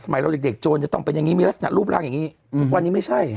สมัยเด็กโจนจะต้องเป็นอย่างงี้มีลักษณะรูปรังอย่างงี้ถึงวันนี้ไม่ใช่